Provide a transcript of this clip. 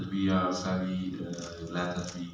tapi kami sangat senang bisa bermain di sini